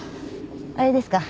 あれですか？